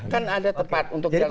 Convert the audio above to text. kan ada tempat untuk jalan kaki